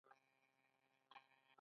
آیا کاناډا د ښځو کار ته ارزښت نه ورکوي؟